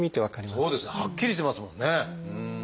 はっきりしてますもんね。